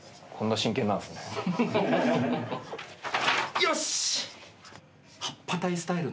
よし！